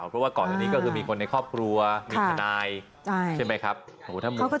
เพราะว่าก่อนอันนี้ก็คือมีคนในครอบครัวมีทนายใช่ไหมครับ